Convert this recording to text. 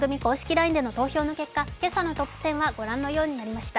ＬＩＮＥの投票の結果、今朝のトップ１０はご覧のようになりました。